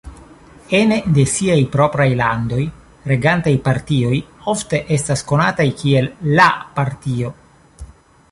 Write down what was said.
Ene de siaj propraj landoj, regantaj partioj ofte estas konataj kiel "la Partio".